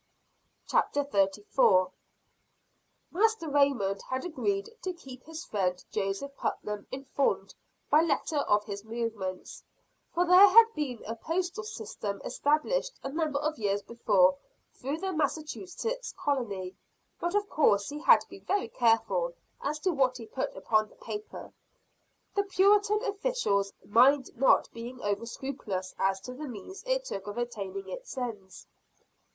CHAPTER XXXIV. Master Raymond Goes Again to Boston. Master Raymond had agreed to keep his friend Joseph Putnam informed by letter of his movements for there had been a postal system established a number of years before through the Massachusetts colony but of course he had to be very careful as to what he put upon paper; the Puritan official mind not being over scrupulous as to the means it took of attaining its ends.